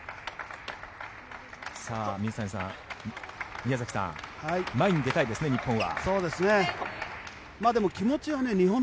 宮崎さん、前に出たいですね日本は。